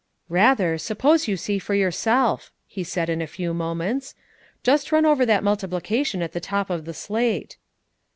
"Rather, suppose you see for yourself," he said in a few moments. "Just run over that multiplication at the top of the slate."